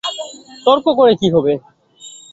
তর্ক করে কী হবে।